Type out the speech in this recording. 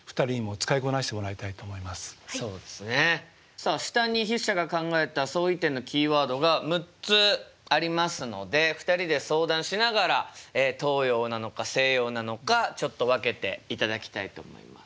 さあ下に筆者が考えた相違点のキーワードが６つありますので２人で相談しながら東洋なのか西洋なのかちょっと分けていただきたいと思います。